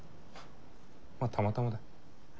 まったまたまだ。